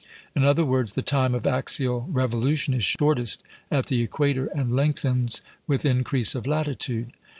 In other words, the time of axial revolution is shortest at the equator and lengthens with increase of latitude.